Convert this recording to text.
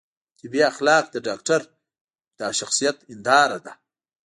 طبي اخلاق د ډاکتر د شخصیت هنداره ده.